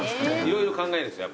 色々考えるんすよ。